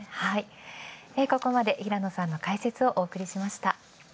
ここまで平野さんの解説をお送りしました。